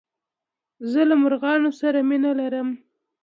زه له مرغانو سره مينه لرم.